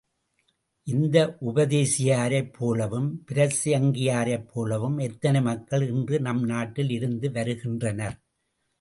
இந்த உபதேசியாரைப் போலவும், பிரசங்கியாரைப் போலவும் எத்தனை மக்கள் இன்று நம் நாட்டில் இருந்து வருகின்றனர்!